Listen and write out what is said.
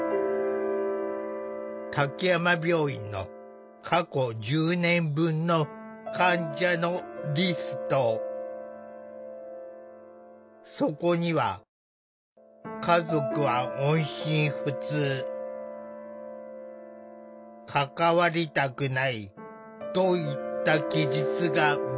滝山病院の過去１０年分のそこには「家族は音信不通」「関わりたくない」といった記述が目立つ。